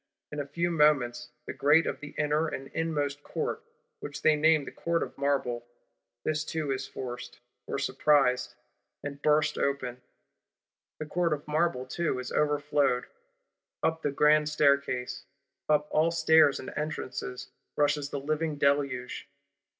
In few moments, the Grate of the inner and inmost Court, which they name Court of Marble, this too is forced, or surprised, and burst open: the Court of Marble too is overflowed: up the Grand Staircase, up all stairs and entrances rushes the living Deluge!